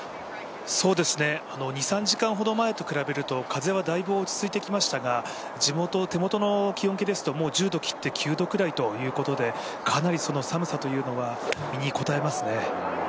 ２３時間ほど前と比べると風はだいぶ落ち着いてきましたが地元手元の気温計ですと、１０度切って、９度くらいとかなり寒さというのが身にこたえますね。